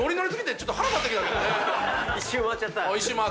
１周回っちゃった。